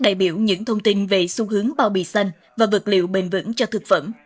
đại biểu những thông tin về xu hướng bao bì xanh và vật liệu bền vững cho thực phẩm